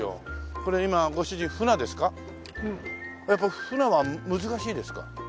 やっぱりフナは難しいですか？